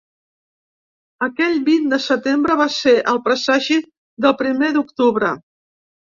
Aquell vint de setembre va ser el presagi del primer d’octubre.